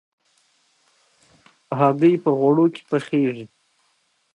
ښتې د افغانستان د ځانګړي ډول جغرافیه استازیتوب کوي.